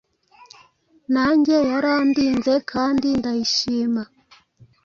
nanjye Yarandinze kandi ndayishima